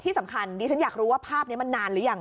ที่สำคัญดิฉันอยากรู้ว่าภาพนี้มันนานหรือยัง